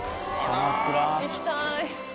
行きたい。